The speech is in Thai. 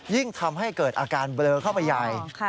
ยิ่งทำให้เกิดอาการเบลอเข้าไปใหญ่